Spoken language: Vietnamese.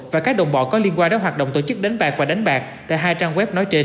và các đồng bọn có liên quan đến hoạt động tổ chức đánh bạc và đánh bạc tại hai trang web nói trên